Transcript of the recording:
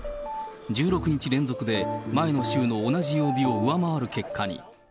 １６日連続で前の週の同じ曜日を上回る結果に。